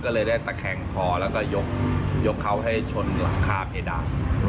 ก็เลยได้ตะแข่งคอแล้วก็ยกเขาให้ชนหลังคาเพดาน